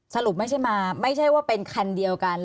สรุปไม่ใช่มาไม่ใช่ว่าเป็นคันเดียวกัน